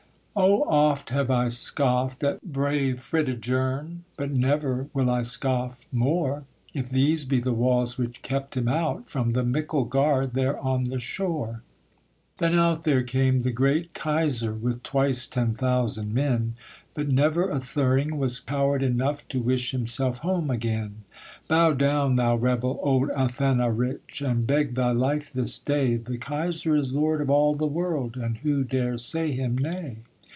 'Oh oft have I scoffed at brave Fridigern, But never will I scoff more, If these be the walls which kept him out From the Micklegard there on the shore.' Then out there came the great Kaiser, With twice ten thousand men; But never a Thuring was coward enough To wish himself home again. 'Bow down, thou rebel, old Athanarich, And beg thy life this day; The Kaiser is lord of all the world, And who dare say him nay?'